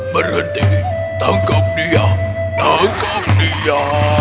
berhenti tangkap dia tangkap dia